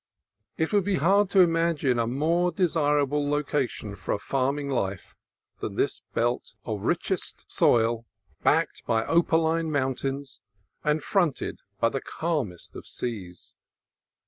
It would be hard to imagine a more desirable location for a farm ing life than this belt of richest soil, backed by opa line mountains and fronted by the calmest of seas.